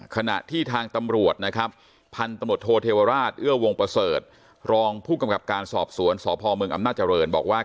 ขณะที่ทางตำรวจนะครับพันธุ์ตำรวจโทเทวราชเอื้อวงประเสริฐรองผู้กำกับการสอบสวนสพเมืองอำนาจริงบอกว่า